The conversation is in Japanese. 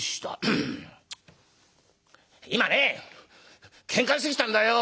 「今ねケンカしてきたんだよ」。